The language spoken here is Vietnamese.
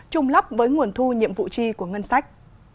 trung lắp với nguồn thu nhiệm vụ chi của ngân sách